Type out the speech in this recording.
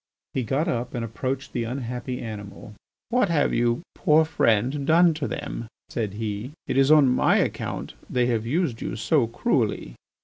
He got up and approached the unhappy animal. "What have you, poor friend, done to them?" said he. "It is on my account they have used you so cruelly."